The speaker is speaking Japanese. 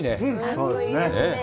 そうです。